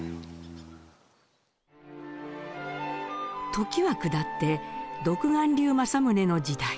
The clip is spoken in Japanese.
時は下って独眼竜政宗の時代。